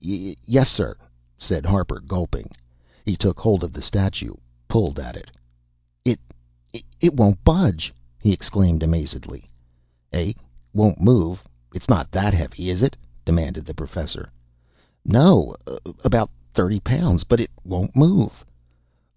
"Ye yessir," said Harper, gulping. He took hold of the statue, pulled at it. "It it won't budge," he exclaimed amazedly. "Eh? Won't move? It's not heavy, is it?" demanded the Professor. "No about thirty pounds, but it wont move!"